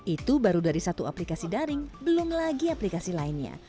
itu baru dari satu aplikasi daring belum lagi aplikasi lainnya